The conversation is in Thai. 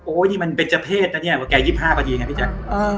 โอ้ยนี่มันเป็จเจ้าเพศน่ะเนี้ยว่าแกยิบห้าประดีน่ะพี่แจ๊ก